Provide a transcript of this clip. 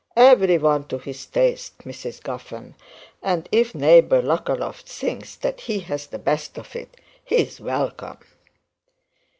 Every one to his taste, Mrs Guffern, and if neighbour Lookaloft thinks that he has the best of it, he's welcome.'